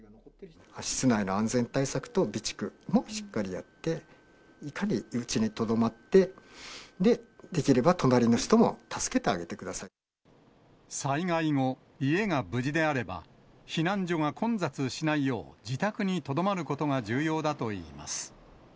室内の安全対策と備蓄もしっかりやって、うちにとどまって、できれば隣の人も助けてあげてく災害後、家が無事であれば、避難所が混雑しないよう自宅にとどまることが重要だといいます。